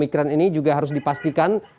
ini juga harus dipastikan